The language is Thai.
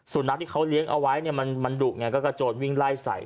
สุนัขที่เขาเลี้ยงเอาไว้เนี่ยมันดุไงก็กระโจนวิ่งไล่ใส่